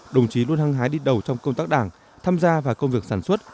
đồng chí luôn hăng hái đi đầu trong công tác đảng tham gia vào công việc sản xuất